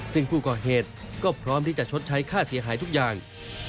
ซึ่งผู้ก่อเหตุก็พร้อมที่จะชดใช้ค่าเสียหายทุกอย่าง